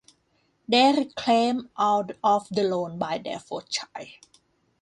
They reclaimed all of the loan by their fourth child.